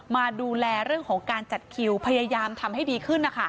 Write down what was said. มาดูแลเรื่องของการจัดคิวพยายามทำให้ดีขึ้น